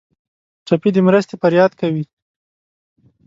ټپي د مرستې فریاد کوي.